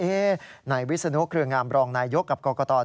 เอ๊ะนายวิศนุเครื่องงามรองนายยกกับกรกฎา